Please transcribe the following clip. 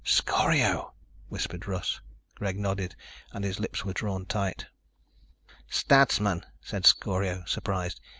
"Scorio!" whispered Russ. Greg nodded and his lips were drawn tight. "Stutsman," said Scorio, surprised.